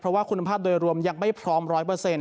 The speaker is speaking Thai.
เพราะว่าคุณภาพโดยรวมยังไม่พร้อมร้อยเปอร์เซ็นต์